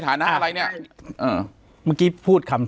ปากกับภาคภูมิ